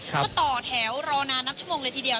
ก็ต่อแถวรอนานนับชั่วโมงเลยทีเดียว